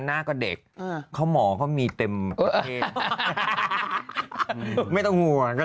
ไม่เข้าเรื่อนนี้ได้อย่างไร